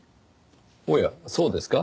おやそうですか？